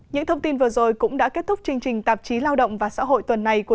những thông tin vừa rồi cũng đã kết thúc